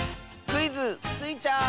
クイズ「スイちゃん」！